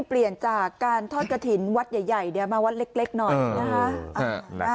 เปลี่ยนจากการทอดกระถิ่นวัดใหญ่มาวัดเล็กหน่อยนะคะ